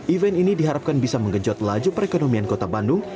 event ini diharapkan bisa mengejot laju perekonomian kota bandung